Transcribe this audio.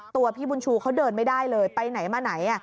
ตัวพี่บุญชูเขาเดินไม่ได้เลยไปไหนมาไหน